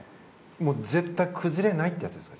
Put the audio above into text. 松岡：絶対崩れないってやつですか？